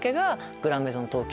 グランメゾン東京』。